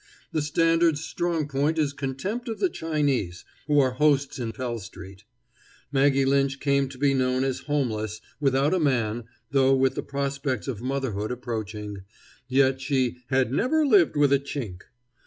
The standard's strong point is contempt of the Chinese, who are hosts in Pell street. Maggie Lynch came to be known as homeless, without a man, though with the prospects of motherhood approaching, yet she "had never lived with a Chink."